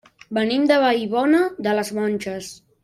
Venim de Vallbona de les Monges.